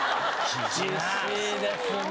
厳しいですね。